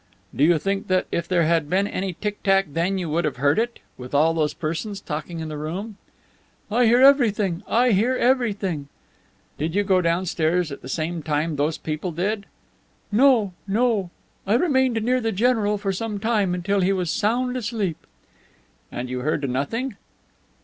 "Do you think that if there had been any tick tack then you would have heard it, with all those persons talking in the room?" "I hear everything. I hear everything." "Did you go downstairs at the same time those people did?" "No, no; I remained near the general for some time, until he was sound asleep." "And you heard nothing?"